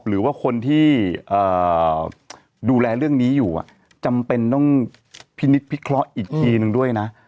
หรือว่าคนที่ดูแลเรื่องนี้อยู่จำเป็นต้องพินิษฐพิเคราะห์อีกทีนึงด้วยนะ